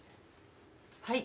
はい。